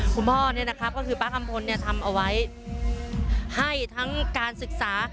คุณพ่อเนี่ยนะครับก็คือป๊ากัมพลทำเอาไว้ให้ทั้งการศึกษา